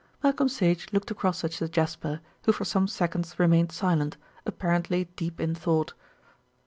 '" Malcolm Sage looked across at Sir Jasper, who for some seconds remained silent, apparently deep in thought.